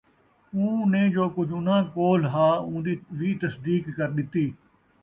اُوں نے جو کُجھ اُنھاں کولھ ہا، اُوندی وِی تصدیق کرݙِتی،